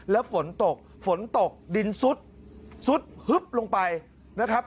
แล้วฝนตกฝนตกดินซุดซุดฮึบลงไปนะครับ